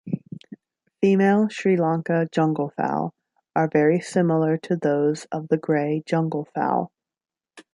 Female Sri Lanka junglefowl are very similar to those of the grey junglefowl.